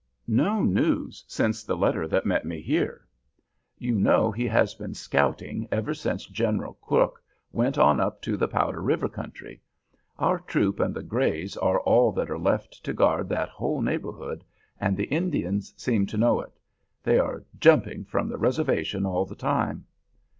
"No news since the letter that met me here. You know he has been scouting ever since General Crook went on up to the Powder River country. Our troop and the Grays are all that are left to guard that whole neighborhood, and the Indians seem to know it. They are 'jumping' from the reservation all the time."